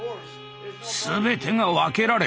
全てが分けられている。